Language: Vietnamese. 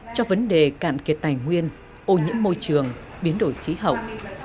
đoạn kiệt tài nguyên ô nhiễm môi trường biến đổi khí hậu